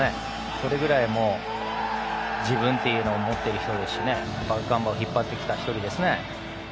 それぐらい自分というものを持っているしガンバを引っ張ってきた一人です。